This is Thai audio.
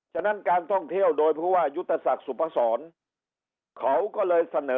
ฉะนั้นการท่องเที่ยวโดยผู้ว่ายุทธศักดิ์สุพศรเขาก็เลยเสนอ